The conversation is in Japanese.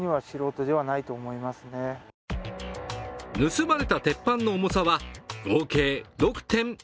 盗まれた鉄板の重さは合計６．４ｔ。